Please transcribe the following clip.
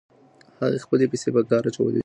هغې خپلې پیسې په کار اچولې وې.